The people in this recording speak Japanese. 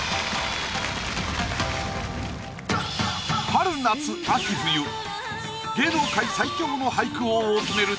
春夏秋冬芸能界最強の俳句王を決める